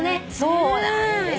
そうなんですよ